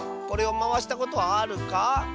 これをまわしたことはあるか？